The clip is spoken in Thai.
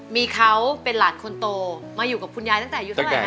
มีเขาเป็นหลานคนโตมาอยู่กับคุณยายตั้งแต่อายุเท่าไหร่